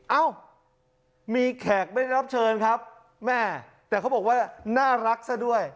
เอ้ามีแขกไม่ได้รับเชิญครับแม่แต่เขาบอกว่าน่ารักซะด้วย